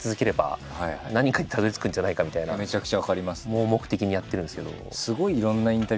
盲目的にやってるんですけど。